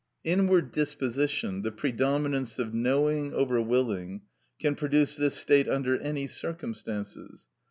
Inward disposition, the predominance of knowing over willing, can produce this state under any circumstances.